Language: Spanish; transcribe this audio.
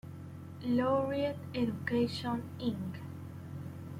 Laureate Education, Inc.